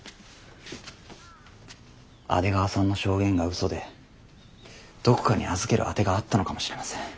阿出川さんの証言がうそでどこかに預ける当てがあったのかもしれません。